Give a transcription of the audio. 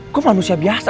gue manusia biasa